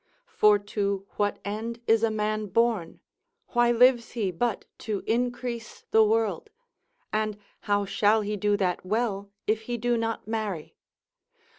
For to what end is a man born? why lives he, but to increase the world? and how shall he do that well, if he do not marry?